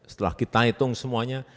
setelah kita hitung semuanya